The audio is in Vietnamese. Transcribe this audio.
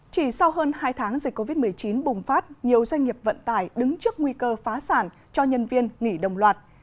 chỉ sau hơn hai tháng dịch covid một mươi chín bùng phát nhiều doanh nghiệp vận tải đứng trước nguy cơ phá sản cho nhân viên nghỉ đồng loạt